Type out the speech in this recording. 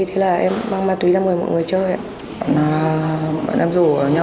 thế là em mang ma túy ra mời mọi người chơi ạ